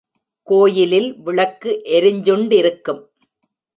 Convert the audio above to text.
கோயிலில் விளக்கு எரிஞ்சுண்டிருக்கும்.